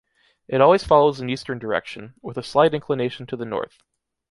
It always follows an eastern direction, with a slight inclination to the north.